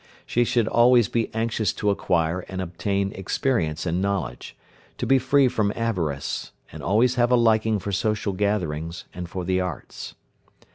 She should always be anxious to acquire and obtain experience and knowledge, be free from avarice, and always have a liking for social gatherings, and for the arts.